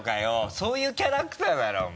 そういうキャラクターだろお前。